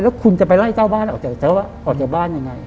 แล้วคุณจะไปไล่เจ้าบ้านออกจากเจ้าว่าออกจากบ้านยังไง